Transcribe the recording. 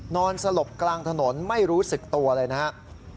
นอนสลบกลางถนนไม่รู้สึกตัวเลยนะครับ